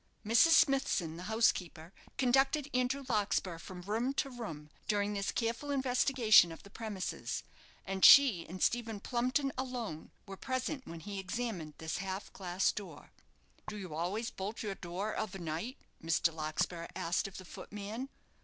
Mrs. Smithson, the housekeeper, conducted Andrew Larkspur from room to room during this careful investigation of the premises; and she and Stephen Plumpton alone were present when he examined this half glass door. "Do you always bolt your door of a night?" Mr. Larkspur asked of the footman.